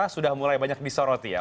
sudah mulai banyak disoroti ya